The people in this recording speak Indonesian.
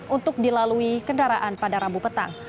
untuk dilalui kendaraan pada rabu petang